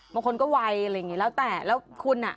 บางคนก็ไวอะไรอย่างนี้แล้วแต่แล้วคุณอ่ะ